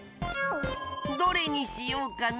どれにしようかな。